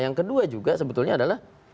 yang kedua juga sebetulnya adalah